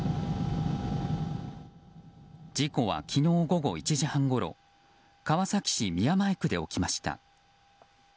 事故は昨日午後１時半ごろ川崎市宮前区で起きました。